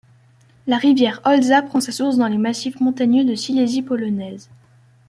La rivière Olza prend sa source dans les massifs montagneux de Silésie polonaise.